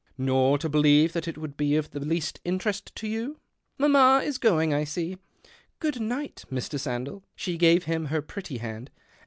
" Nor to believe that it would be of the 3ast interest to you." "Mamma is oroino I see. Good niorht, ILv. Sandell." She gave him her pretty and.